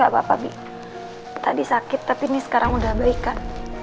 gak apa apa bi tadi sakit tapi ini sekarang udah baik kan